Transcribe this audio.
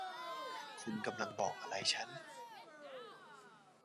คุณกำลังบอกอะไรฉัน